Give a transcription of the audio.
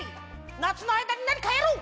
なつのあいだになにかやろう！